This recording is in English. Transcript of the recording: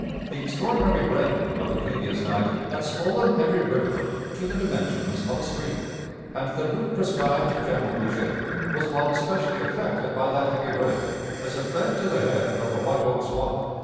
The extraordinary rain of the previous night had swollen every rivulet to the dimensions of a stream, and the route prescribed to General Huger was one especially affected by that heavy rain, as it led to the head of the White Oak Swamp.